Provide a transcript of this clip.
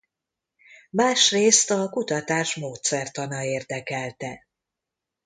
Másrészt a kutatás módszertana érdekelte.